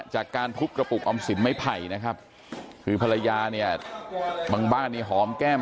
จากการทุบกระปุกออมสินไม้ไผ่นะครับคือภรรยาเนี่ยบางบ้านเนี่ยหอมแก้ม